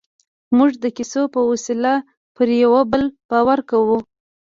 موږ د کیسو په وسیله پر یوه بل باور کوو.